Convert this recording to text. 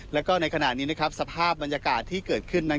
แล้วก็ในขณะนี้สภาพบรรยากาศที่เกิดขึ้น